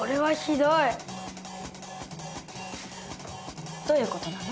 どういう事なの？